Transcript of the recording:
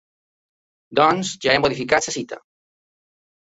Doncs ja he modificat la cita.